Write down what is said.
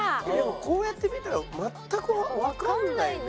こうやって見たら全く。わかんないですね。